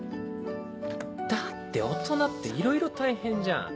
だって大人っていろいろ大変じゃん。